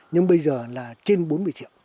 nhưng bây giờ là trên bốn mươi triệu